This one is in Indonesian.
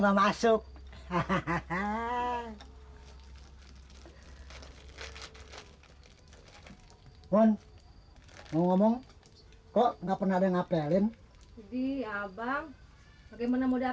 belum masuk hahaha hai mon ngomong kok nggak pernah dengar pelin di abang bagaimana mudah